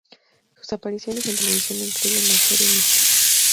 Sus apariciones en televisión incluyen las serie "Mr.